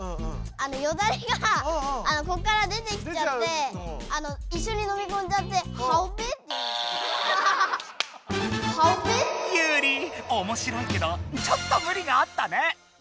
よだれがこっから出てきちゃっていっしょにのみこんじゃってユウリおもしろいけどちょっとムリがあったね。